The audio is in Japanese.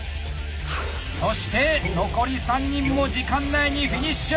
そして残り３人も時間内にフィニッシュ！